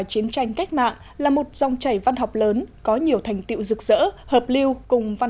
chiến tranh cách mạng là một dòng chảy văn học lớn có nhiều thành tiệu rực rỡ hợp lưu cùng văn